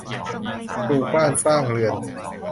ปลูกบ้านสร้างเรือน